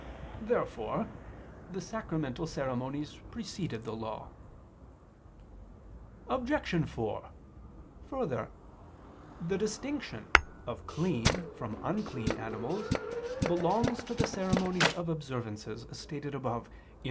Therefore the sacramental ceremonies preceded the Law. Obj. 4: Further, the distinction of clean from unclean animals belongs to the ceremonies of observances, as stated above (Q.